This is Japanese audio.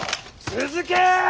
続け！